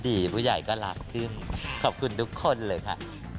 พอดีผู้ใหญ่ก็รักเพิ่งขอบคุณทุกคนเลยค่ะ